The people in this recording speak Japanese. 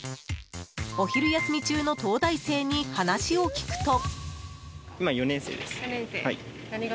お昼休み中の東大生に話を聞くと。